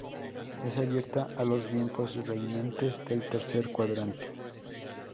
Es abierta a los vientos reinantes del tercer cuadrante.